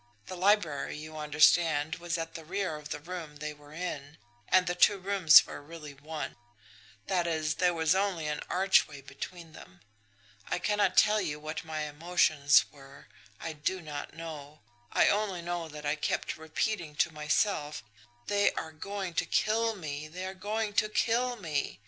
The library, you understand, was at the rear of the room they were in, and the two rooms were really one; that is, there was only an archway between them. I cannot tell you what my emotions were I do not know. I only know that I kept repeating to myself, 'they are going to kill me, they are going to kill me!'